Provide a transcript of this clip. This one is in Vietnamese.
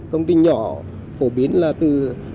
công trình nhỏ phổ biến là từ một trăm linh